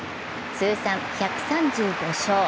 通算１３５勝。